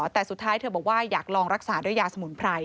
แต่สุดท้ายเธอบอกว่าอยากลองรักษาด้วยยาสมุนไพร